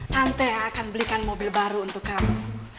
tante akan belikan mobil baru untuk kamu